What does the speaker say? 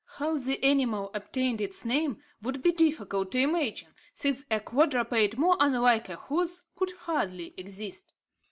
How the animal obtained its name would be difficult to imagine, since a quadruped more unlike a horse could hardly exist.